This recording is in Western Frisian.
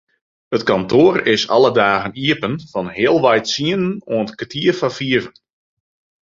It kantoar is alle dagen iepen fan healwei tsienen oant kertier foar fiven.